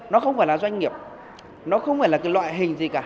nó không phải là doanh nghiệp nó không phải là cái loại hình gì cả